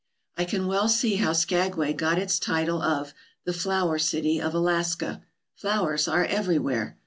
I can well see how Skagway got its title of the " Flower City of Alaska/' Flowers are everywhere.